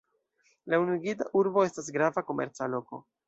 La unuigita urbo estas grava komerca loko.